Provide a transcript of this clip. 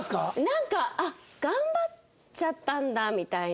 なんか「頑張っちゃったんだ」みたいな。